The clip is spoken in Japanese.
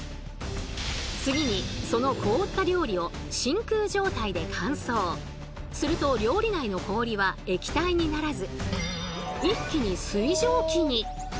次にその凍った料理をすると料理内の氷は液体にならず一気に水蒸気に！